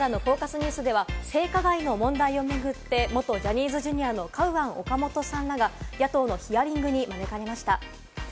ニュースは性加害の問題を巡って元ジャニーズＪｒ．のカウアン・オカモトさんが野党のヒアリングに招かれました。